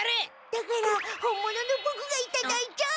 だから本物のボクがいただいちゃう！